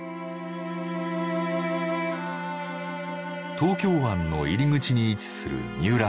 東京湾の入り口に位置する三浦半島。